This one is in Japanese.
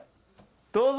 どうぞ！